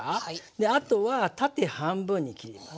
であとは縦半分に切ります。